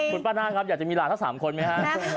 คุณป้านาคครับอยากจะมีหลานทั้ง๓คนไหมฮะ